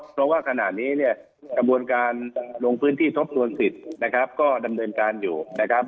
เพราะว่าขณะนี้เนี่ยกระบวนการลงพื้นที่ทบทวนสิทธิ์นะครับก็ดำเนินการอยู่นะครับ